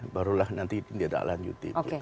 barulah nanti tidak ada lanjut itu